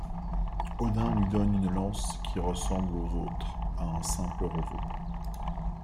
Odin lui donne une lance qui ressemble aux autres à un simple roseau.